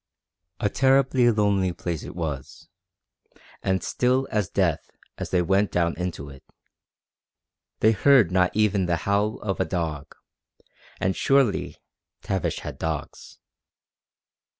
A terribly lonely place it was, and still as death as they went down into it. They heard not even the howl of a dog, and surely Tavish had dogs.